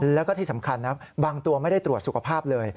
แล้วก็ที่สำคัญนะบางตัวไม่ได้ตรวจสุขภาพเลย